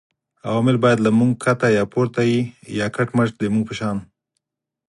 عوامل باید له موږ ښکته یا پورته وي یا کټ مټ زموږ په شان